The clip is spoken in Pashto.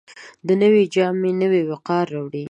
نوې جامې نوی وقار راوړي